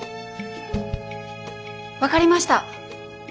分かりました。